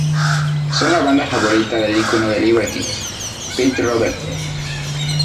Son la banda favorita del icono de Libertines, Pete Doherty.